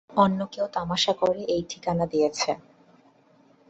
অন্য কেউ তামাশা করে এই ঠিকানা দিয়েছে।